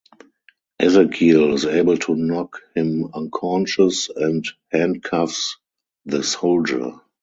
Ezekiel is able to knock him unconscious and handcuffs the soldier.